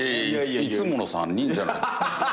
いつもの３人じゃないですか。